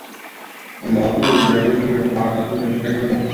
绒毛杜鹃为杜鹃花科杜鹃属下的一个种。